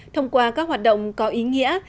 thông qua các hoạt động có ý nghĩa